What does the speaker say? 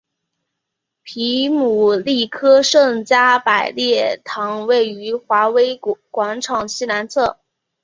皮姆利科圣加百列堂位于华威广场西南侧。